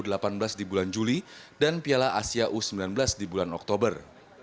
piala aff u sembilan belas di bulan juli dan piala asia u sembilan belas di bulan oktober